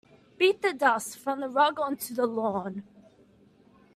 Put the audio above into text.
Beat the dust from the rug onto the lawn.